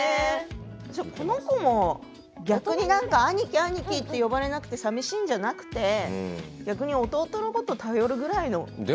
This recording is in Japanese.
この子も逆に兄貴兄貴って呼ばれなくて寂しいんじゃなくて逆に弟のことを頼るくらいで。